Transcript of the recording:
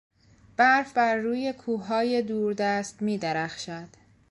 برف برروی کوههای دوردست میدرخشد.